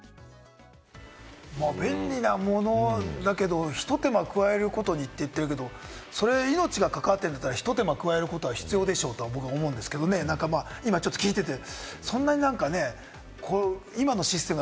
まあ便利なものだけれども、ひと手間加えることにって言ってるけれども、それ、命が関わってるんだったら、ひと手間加えることは必要でしょうと思うんですけれどもね、ちょっと聞いてて。